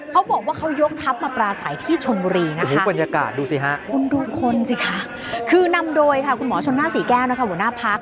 เขาบอกว่าเขายกทัพมาปราศัยที่ชนบุรีนะคะคือนำโดยค่ะคุณหมอชนหน้าศรีแก้วนะคะหัวหน้าพัก